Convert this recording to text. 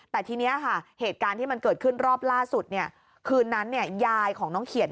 แต่ที่นี้เกิดการณ์ที่มันเกิดขึ้นรอบล่าสุดคืนนั้นยายของน้องเขียด